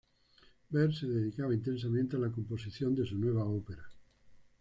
Berg se dedicaba intensamente a la composición de su nueva ópera.